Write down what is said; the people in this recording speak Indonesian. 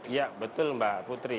ya betul mbak putri